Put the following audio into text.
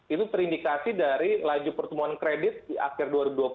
itu terindikasi dari laju pertumbuhan kredit di akhir dua ribu dua puluh